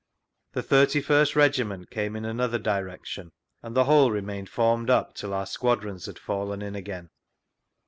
The 31st Regiment came in another direction, and the whole remained formed up till our squadrons had fallen in again.